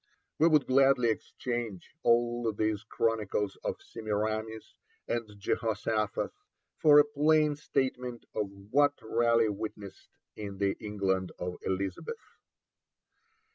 We would gladly exchange all these chronicles of Semiramis and Jehoshaphat for a plain statement of what Raleigh witnessed in the England of Elizabeth.